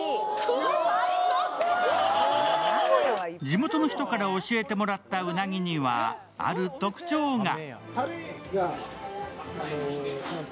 地元の人から教えてもらった、うなぎにはある特徴が。